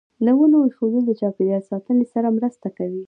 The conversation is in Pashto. د ونو ایښودل د چاپیریال ساتنې سره مرسته کوي.